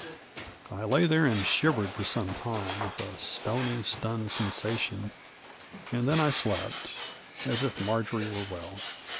I lay there and shivered for some time, with a stony, stnnned sensation, and then I slept — as if Marjory were well.